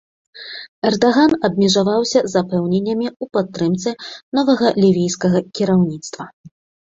Эрдаган абмежаваўся запэўненнямі ў падтрымцы новага лівійскага кіраўніцтва.